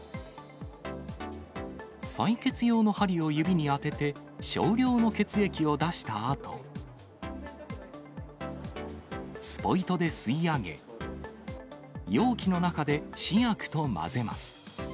採血用の針を指に当てて、少量の血液を出したあと、スポイトで吸い上げ、容器の中で試薬と混ぜます。